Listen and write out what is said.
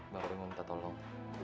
baru ingin minta tolong